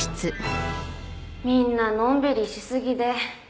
みんなのんびりしすぎで